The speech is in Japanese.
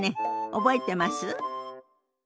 覚えてます？